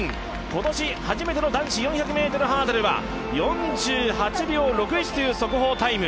今年初めての男子４００ｍハードルは４８秒６１という速報タイム。